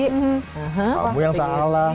kamu yang salah